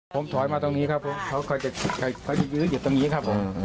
ผมถอยมาตรงนี้ครับผมเขายื้ออยู่ตรงนี้ครับผม